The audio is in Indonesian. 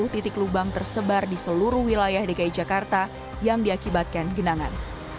satu ratus sembilan puluh titik lubang tersebar di seluruh wilayah dki jakarta yang diakibatkan kenangan